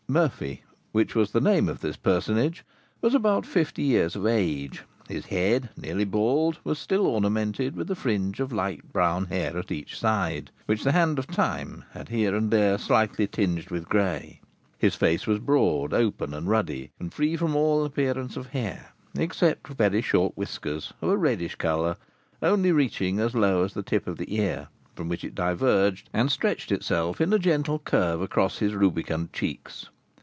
Murphy, which was the name of this personage, was about fifty years of age; his head, nearly bald, was still ornamented with a fringe of light brown hair at each side, which the hand of time had here and there slightly tinged with gray; his face was broad, open, and ruddy, and free from all appearance of hair, except very short whiskers, of a reddish colour, only reaching as low as the tip of the ear, from which it diverged, and stretched itself in a gentle curve across his rubicund cheeks.